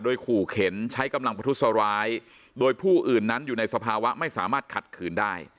ขู่เข็นใช้กำลังประทุษร้ายโดยผู้อื่นนั้นอยู่ในสภาวะไม่สามารถขัดขืนได้